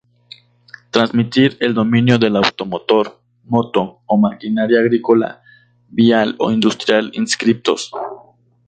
Transmitir el dominio del automotor, moto o maquinaria agrícola, vial o industrial inscriptos.